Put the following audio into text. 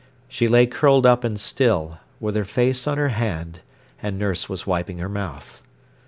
She lay curled up and still, with her face on her hand, and nurse was wiping her mouth.